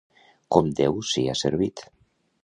Com Déu sia servit.